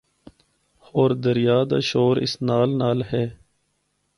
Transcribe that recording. ہور دریا دا شور اس نال نال ہے۔